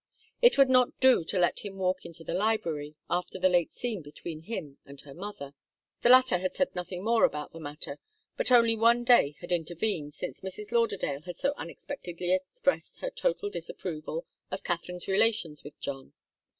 It would not do to let him walk into the library, after the late scene between him and her mother. The latter had said nothing more about the matter, but only one day had intervened since Mrs. Lauderdale had so unexpectedly expressed her total disapproval of Katharine's relations with John.